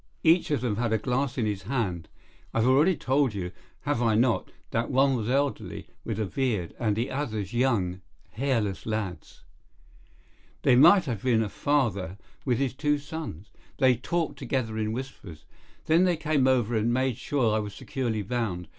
Each of them had a glass in his hand. I have already told you, have I not, that one was elderly, with a beard, and the others young, hairless lads. They might have been a father with his two sons. They talked together in whispers. Then they came over and made sure that I was securely bound.